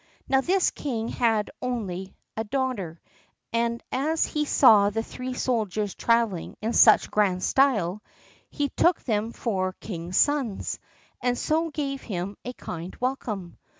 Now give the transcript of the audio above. Now this king had an only daughter, and as he saw the three soldiers traveling in such grand style, he took them for king's sons, and so gave them a kind welcome.